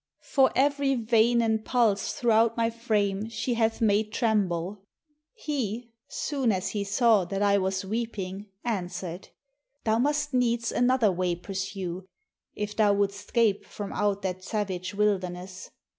"For every vein and pulse throughout my frame She hath made tremble." He, soon as he saw That I was weeping, answer'd, "Thou must needs Another way pursue, if thou wouldst 'scape From out that savage wilderness.